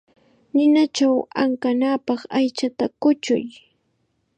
Ninachaw ankanapaq aychata kuchuy.